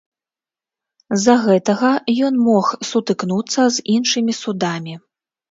З-за гэтага ён мог сутыкнуцца з іншымі судамі.